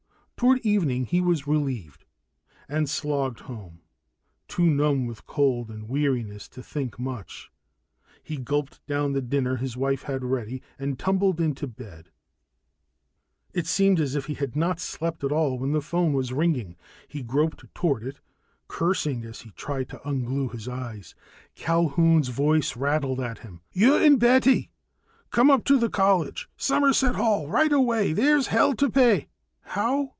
Toward evening, he was relieved and slogged home, too numb with cold and weariness to think much. He gulped down the dinner his wife had ready and tumbled into bed. It seemed as if he had not slept at all when the phone was ringing. He groped toward it, cursing as he tried to unglue his eyes. Culquhoun's voice rattled at him: "You and Betty come up to the college, Somerset Hall, right away. There's hell to pay." "How